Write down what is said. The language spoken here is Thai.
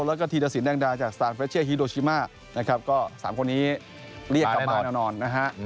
แล้วก็ธีรสินแดงดาจากสตาร์เฟชเช่ฮิโดชิมานะครับก็๓คนนี้เรียกกลับมาแน่นอนนะฮะ